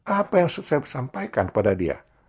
apa yang harus saya sampaikan kepada dia